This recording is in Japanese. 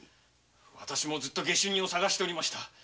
私もずっと下手人を捜しておりました。